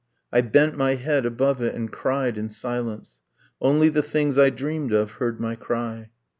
I bent my head above it, and cried in silence. Only the things I dreamed of heard my cry.